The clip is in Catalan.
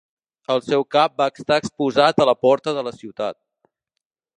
El seu cap va estar exposat a la porta de la ciutat.